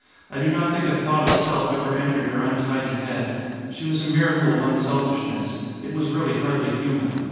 I do not think a thought of self ever entered her untidy head. She was a miracle of unselfishness. It was really hardly human.